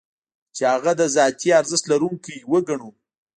چې هغه د ذاتي ارزښت لرونکی وګڼو.